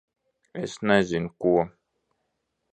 Es nezinu ko...